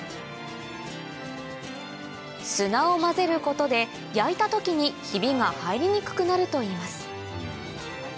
砂を混ぜることで焼いた時にひびが入りにくくなるといいます